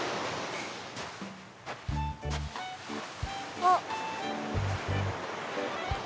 あっ。